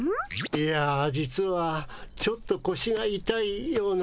いや実はちょっとこしがいたいような